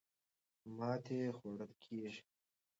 ماتې خوړل کېږي.